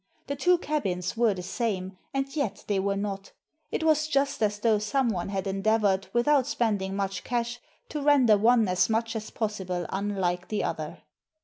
The two cabins were the same, and yet were not. It was just as though someone had endeavoured, without spending much cash, to render one as much as possible unlike the other.